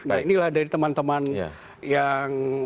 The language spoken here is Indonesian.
nah inilah dari teman teman yang